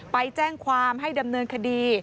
ไปแจ้งความให้ดำเนินคดี